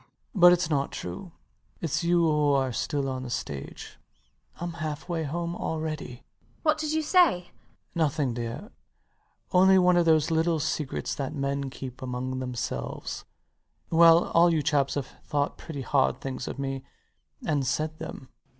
But it's not true. It's you who are still on the stage. I'm half way home already. MRS DUBEDAT [to Ridgeon] What did you say? LOUIS [answering for him] Nothing, dear. Only one of those little secrets that men keep among themselves. Well, all you chaps have thought pretty hard things of me, and said them.